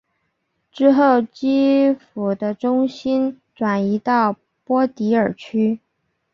之后基辅的中心转移到波迪尔区。